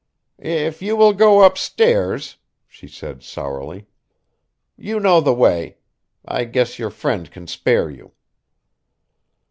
"If you will go upstairs," she said sourly. "You know the way. I guess your friend can spare you."